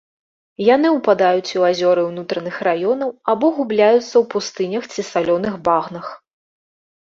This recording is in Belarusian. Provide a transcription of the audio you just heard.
Яны ўпадаюць у азёры ўнутраных раёнаў або губляюцца ў пустынях ці салёных багнах.